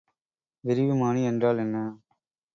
விரிவுமானி என்றால் என்ன?